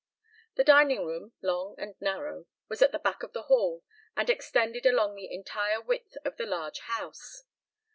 The dining room, long and narrow, was at the back of the hall and extended along the entire width of the large house.